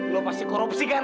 lo pasti korupsi kan